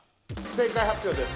正解発表です